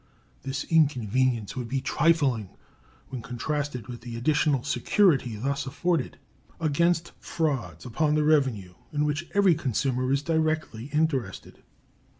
This inconvenience would be trifling when contrasted with the additional security thus afforded against frauds upon the revenue, in which every consumer is directly interested.